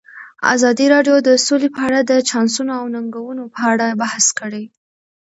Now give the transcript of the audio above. ازادي راډیو د سوله په اړه د چانسونو او ننګونو په اړه بحث کړی.